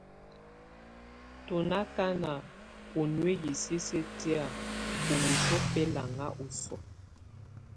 Tú ndù akana ù nuiyi sisiǝ́ tɛ̀á ù wǝsuǝ́ bɛlaŋa ù ɔsɔa.